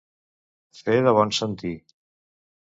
Fer de bon sentir.